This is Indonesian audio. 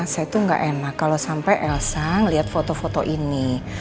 saya tuh gak enak kalau sampai elsa melihat foto foto ini